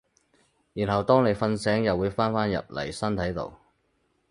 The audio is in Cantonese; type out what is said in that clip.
然後當你瞓醒又會返返入嚟身體度